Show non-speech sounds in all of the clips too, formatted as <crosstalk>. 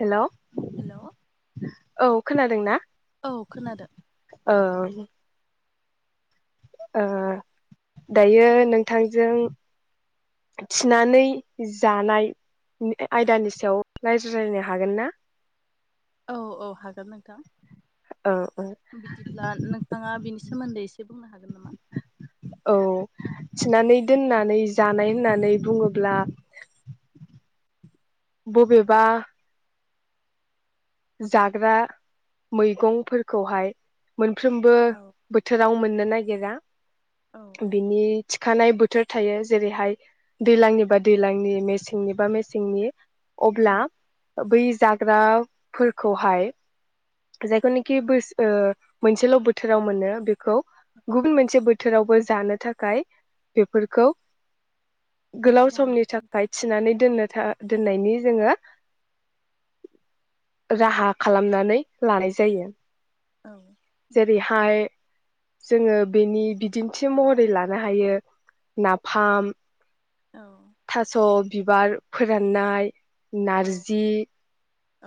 Hello hello औ खोनादों ना औ खोनादों ओ ओ दायो नोंथांजों थिनानै जानाय आयदानि सायाव रायज्लायनो हागोन ना औ औ हागोन नोंथां ओ ओ सोमोनदै एसे बुंनो हागोन नामा औ थिनानै दोननानै जानाय होननानै बुङोब्ला ब'बेबा जाग्रा मैगंफोरखौहाय मोन सानफ्रोमबो औ बोथोराव मोन नो नागेरा औ औ बिनि थिखानाय बुथ थोर थायो जेरैहाय दैज्लांनिबा दैज्लांनि मेसेंनिबा मेसेंनि औ अब्ला बै जाग्रा फोरखौहाय जायखौनाखि ब मोनसेल' बोथोराव मोनो बे गुबुन मोनसे बोथोरावबो जानो थाखाय बेफोरखौ गोलाव थिनानै औ समनि फिनानै थाखाय थिनानै दोननो था दोननायनि जोङो राहा खालामनानै लानाय जायो। औ जेरैहाय जोङो बेनि बिदिन्थि महरै लानो हायो नाफाम थास' बिबार फोराननाय औ नारजि औ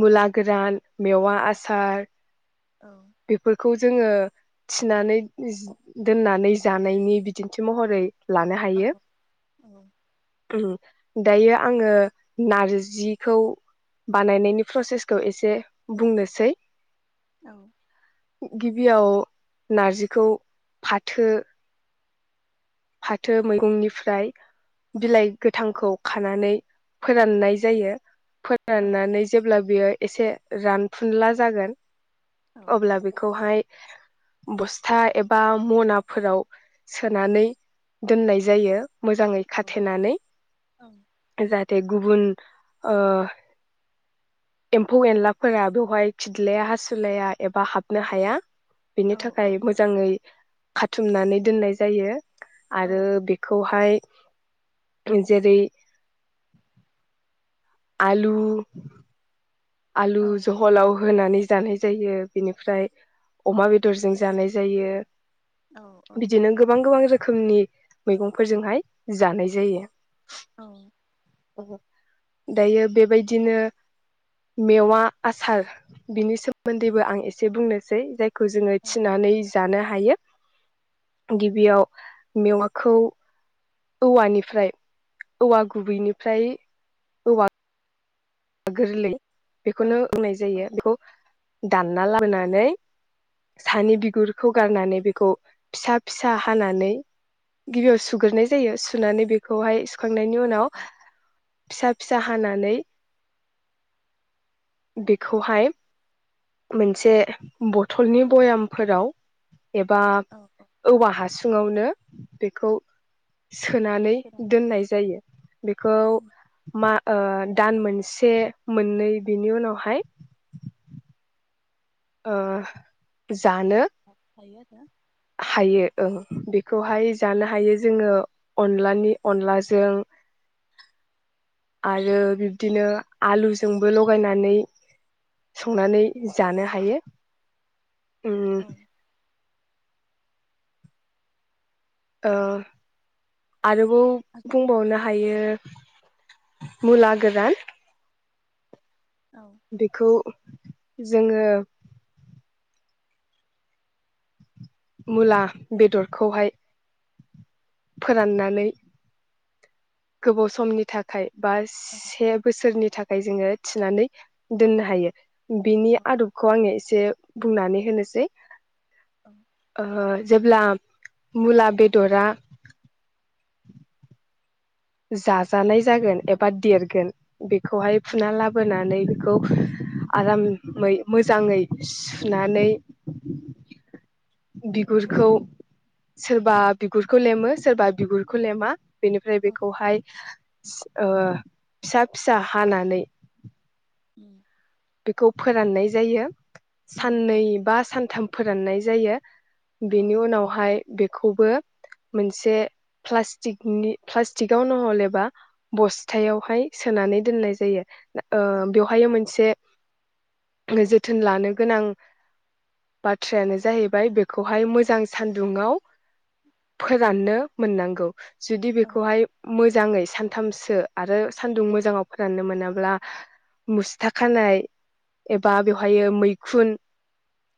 मुला गोरान मेवा आसार औ बेफोरखौ जोङो थिनानै जि दोननानै जानायनि बिदिन्थि महरै लानो औ औ उ दायो आङो नारजिखौ बानायनायनि प्रसेसखौ एसे बुंनोसै औ गिबियाव नारजिखौ फाथो फाथो मैगंनिफ्राय बिलाइ गोथांखौ खानानै फोराननाय जायो। औ फोराननानै जेब्ला बेयो एसे रानफुनला जागोन अब्ला बेखौहाय बस्था एबा मनाफोराव सोनानै दोननाय जायो मोजां औ थेनानै जाहाथे गुबुन ओ एम्फौ एनलाफोरा बेवहाय खिदलाया हासुलाया एबा हाबनो हाया। बेनि औ औ थाखाय मोजाङै खा थुमनानै दोननाय जायो। औ आरो बेखौहाय जेरै आलु आलु जहलाव होनानै जानाय जायो बेनिफ्राय अमा बेदरजों जानाय जायो। औ बिदिनो गोबां गोबां रोखोमनि मैगंफोरजोंहाय जानाय जायो। औ दायो बेबायदिनो मेवा आसार बिनि सोमोन्दैबो आं एसे बुंनोसै जाय खौ जोङो थिनानै जानो हा हायो। गिबियाव मेवाखौ औवानिफ्राय औवा गुबैनिफ्राय औवा गोरलै बेखौनो होननाय जायो बेखौ दानना लाबोनानै सानि बिगुरखौ गारनानै बेखौ फिसा फिसा हानानै गिबियाव सुग्रोनाय जायो सुनानै बेखौहाय। खांनायनि उनाव फिसा फिसा हानानै बेखौहाय मोनसे बथलनि बयामफोराव एबा औ औवा हासुङावनो बेखौ सोनानै सोनाब दोननाय जायो बेखौ मा ओ- दान मोनसे मोननै बिनि उनावहाय ओ- जानो हायो हायो ओं बेखौहाय जानो हायो। जोङो अनलानि अनलाजों आरो बिब्दिनो आलुजोंबो लगायनानै संनानै जानो हायो। औ उम ओ आरोबाव औ बुंबावनो औ हायो। मुला गोरान बेखौ जोङो मुला बेदरखौहाय फोराननानै गोबाव समनि थाखाय। बा औ से बोसोरनि थाखाय जोङो। थिनानै दोननो हायो। बिनि आदबखौ आङो एसे एसे बुंनानै होनोसै। औ ओ जेब्ला मुला बेदरा जाजानाय जागोन एबा देरगोन। बेखौहाय फुना लाबोनानै खौ आरामै मोजाङै सुनानै बिगुरखौ सोरबा बिगुरखौ लेमो सोरबा बिगुरखौ लेमा बेनिफ्राय बे खौहाय सि ओ- फिसा फिसा हानानै उम बेखौ फोराननाय जायो। औ औ साननै बा सानथाम फोराननाय जायो। बेनि औ उनावहाय बे खौबो मोनसे प्लास्टिकनि प्लास्टिकआव नहलेबा बस्थायावहाय सोनानै दोननाय जायो। औ ओ-बेवहाय मोनसे जोथोन लानो गोनां बाथ्रायानो जाहैबाय बेखौहाय मोजां सानदुंआव फोराननो मोननांगौ। जुदि औ बेखौहाय मोजाङै सानथामसो आरो सान्दुं मोजाङाव फोराननो मोनाब्ला मुसथा खानाय एबा बेवहायो मैखुन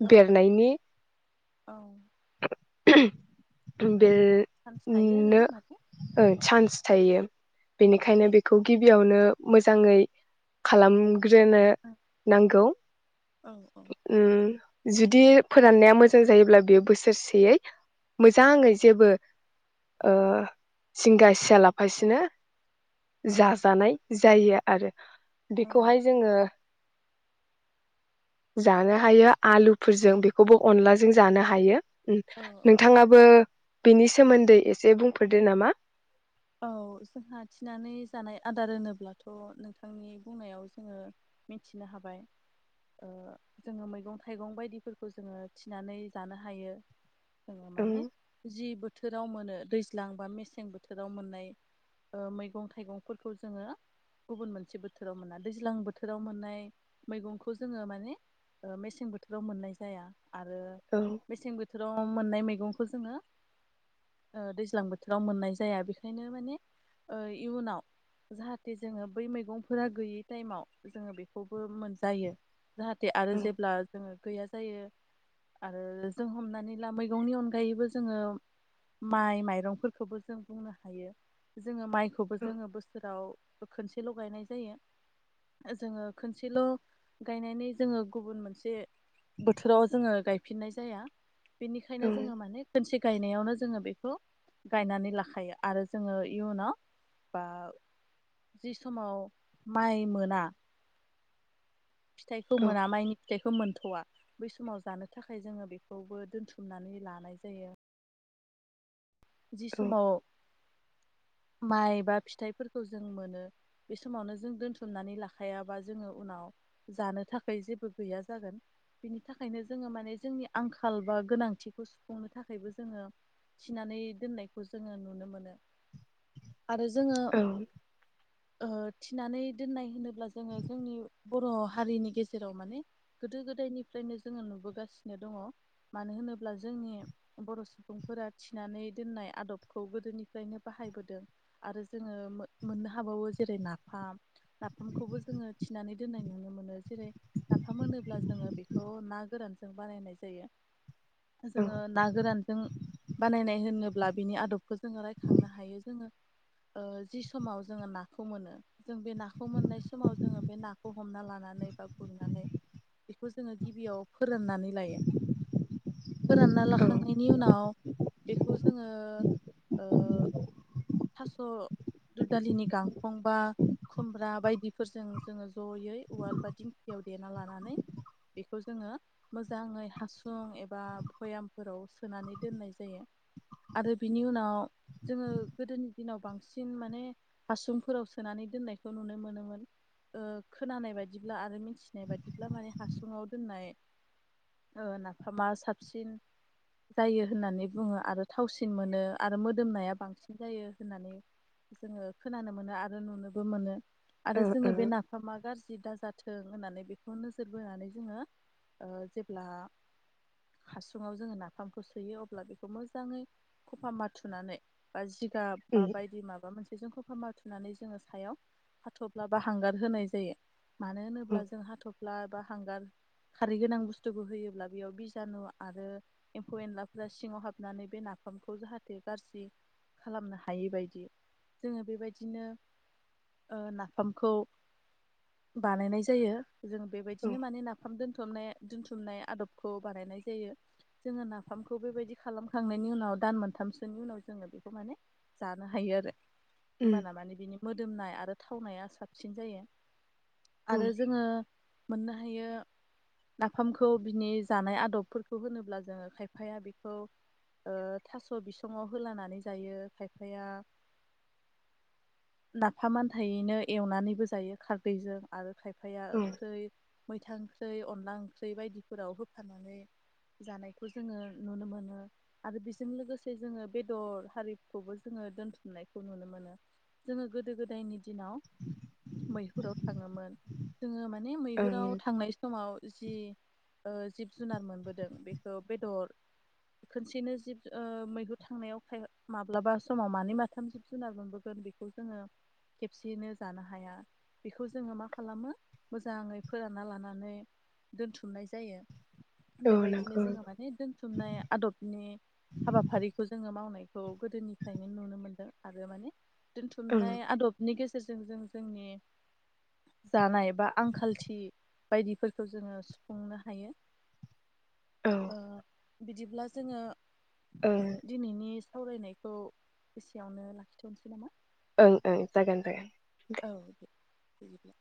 औ बेरनायनि औ <unintelligible> बेे चान्स उं थायो आरो नो माने चान्स थायो। खाबु बेनिखायनो थायो। बेखौ गिबियावनो मोजाङै खालाम ग्रोनो औ नांगौ औ औ उम जुदि फोराननाया मोजां जायोब्ला बेयो बोसोरसेयै मोजाङै जेबो ओ जिंगा सिया लाफासिनो औ जाजानाय जायो आरो। औ बेखौ'हाय जानो हायो आलुफोरजों बेखौबो अनलाजों जानो हायो। उम औ नोंथाङाबो बिनि सोमोन्दै एसे बुंफोरदो नामा? औ जोंहा थिनानै जानाय आदार होनोब्लाथ' नोंथांनि बुंनायाव जोङो मिथिनो हाबाय ओ जोङो मैगं थाइगं बायदिफोरखौ जोङो थिनानै जानो हायो। जोङो औ माने जि बो थोराव मोनो दैज्लां बा मेसें बोथो थोराव मोननाय ओ मैगं थाइगंफोरखौ जोङो गुबुन मोनसे बोथोराव मोना दैज्लां बोथोराव मोननाय मैगंखौ जोङो माने ओ मेसें बोथोराव मोननाय जाया। आरो मेसें बोथोराव मोननाय मै गंखौ जोङो ओ दैज्लां बोथोराव मोननाय जाया बेखायनो माने ओ इयुनाव जाहाथे जोङो बै मैगंफोरा गैयै टाइमाव जोङो बेखौबो मोनजायो। जाहाथे आरो जेब्ला जोङो। गैया जायो आरो जों हमनानै ला मैगंनि अनगायैबो जोङो माइ माइरंफोरखौबो जों बुंनो हायो जोङो माइ बेखौबो जोङो बोसोराव खनसेल गायनाय जायो। जोङो खनसेल गायनानै जोङो गुबुन मोनसे बोथोराव जोङो गायफिननाय जाया। बेनिखायनो जोङो माने खोनसे गायनायावनो जोङो बेखौ गायनानै लाखा थायो आरो जोङो इयुनाव बा जि समाव माइ मोना फिथाइखौ मोना माइनि फिथाइखौ मोनथया बै समाव जानो थाखाय जोङो बेखौबो दोनथुमनानै लानाय जायो। जि समाव माइ बा फिथाइफोरखौ जों मोनो बे समावनो जों दोनथुमनानै लाखायाबा जोङो उनाव जानो थाखाय जेबो गैया जागोन। बिनि थाखायनो जोङो माने जोंनि आंखाल बा गोनांथिखौ सुफुंनो थाखायबो जोङो थिनानै दोननायखौ जोङो नुनो मोनो। आरो जोङो ओ थिनानै दोननाय होनोब्ला जोङो जोंनि बर' हारिनि गेजेराव माने गोदो गोदायनिफ्रायनो जोङो नुबोगासिनो दङ मानो होनोब्ला जोंनि बर' सुबुंफोरा थिनानै दोननाय आदबखौ गोदोनिफ्रायनो बाहायबोदों आरो जोङो मोननो हाबावो जेरै नाफाम नाफामखौबो जोङो थिनानै दोननाय नुनो मोनो जेरै नाफाम होनोब्ला जोङो बेखौ ना गोरानजों बानायनाय जायो। जोङो ना गोरानजों बानायनाय होनो <unintelligible> बिनि आदबखौ जोङो रायखांनो हायो जोङो जि समाव जोङो नाखौ मोनो जों बे नाखौ मोननाय समाव जोङो बे नाखौ हमना लानानै बा गुरनानै बेखौ जोङो गिबियाव फोरोंनानै लायो। फोरानना लाखांनायनि उनाव। बेखौ जोङो ओ थास' दुदालिनि गांखं बा खुमब्रा बायदिफोरजों जोङो जयै उवाल बा दिंखियाव देना लानानै बेखौ जोङो मोजाङै हासुं एबा भयामफोराव सोनानै दोननाय जायो। आरो बिनि उनाव जोङो गोदोनि दिनाव बांसिन माने हासुंफोराव सोनानै दोननायखौ नुनो मोनोमोन खोनानाय बायदिब्ला आरो। आरो मिथिनाय बादिब्ला माने हासुं। <unintelligible> दोननाय नाफामा साबसिन जायो होननानै बुङो आरो। थावसिन मोनो आरो मोदोमनाया बांसिन जायो होननानै जोङो खोनानो मोनो आरो नुनोबो मोनो। आरो जोङो बे नाफामा गाज्रि दाजा <unintelligible> होननानै बेखौ नोजोर बोनानै जोङो जेब्ला हासुङाव जोङो नाफामखौ सोयो अब्ला बेखौ मोजां मोजाङै खफा माथुनानै बा जि गाब बा बायदि माबा मोनसे बेजों खौफा माथुनानै जोङो सायाव हाथ्ला बा हांगार होनाय जायो। मानो होनोब्ला जों हाथ' <unintelligible> बा हांगार खारै गोनां बुस्थुखौ होयोब्ला बेयाव बिजानु आरो एम्फौ एनलाफोरा सिङाव <unintelligible> <unintelligible> बे नाफामखौ जाहाथे गाज्रि खालामनो हायै बायदि जोङो बेबायदिनो नाफामखौ बानायनाय जायो। जों बेबायदिनो माने नाफाम दोनथबनाय दोनथुमनाय आदबखौ बानायनाय जायो जोङो नाफामखौ बेबायदि खालामखांनायनि उनाव दान मोनथामसोनि उनाव जोङो बेखौ माने जानो हायो आरो। होमबाना माने बिनि मोदोमनाय आरो थावनाया साबसिन जायो। आरो जोङो मोननो हायो नाफामखौ बिनि जानाय आदबफोरखौ होनोब्ला जोङो खायफाया बे ओ थास' बिसङाव होलानानै जायो खायफाया लााफाम मान्थायैनो एवनानैबो जायो खारदैजों आरो खायफाया ओंख्रि मैथा <unintelligible> ओंख्रि अनला ओंख्रि बायदिफोराव होफानानै जानायखौ जोङो नुनो मोनो आरो बेजों लोगोसे जोङो बेदर हारिखौबो जोङो दोनथुमनायखौ नुनो मोनो जोङो गोदो गोदायनि दिनाव मैहुराव थाङोमोन जोङो माने मैहुराव थांनाय समाव जि जिब -जुनार मोनबोदों बेखौ बेदर खनसेनो जिब मैहुर थांनायाव खाय-माब्लाबा समाव मानै माथाम जिब जुनार मोनबोगोन बेखौ जोङो खेबसेयैनो जानो हाया। बेखौ जोङो मा खालामो मोजाङै फोरानना लानानै दोनथुमनाय जायो। बेबायदिनो नंगौ। जोङो माने दोनत नाय आदबनि हाबाफारिखौ जोङो मावनायखौ गोदोनिफ्रायनो नुनो मोनदों आरो माने दोनथुमनाय आदबनि गेजेराव गेरजों जों जोंनि जानाय बा आंखालथि बायदिफोरखौ जोङो सुफुंनो हायो। औ ओ बिदिब्ला जोङो ओं दिनैनि सावरायनायखौ एसेयावनो लाखिथ'नोसै नामा ओं ओं जागोन दे - औ दे। <unintelligible>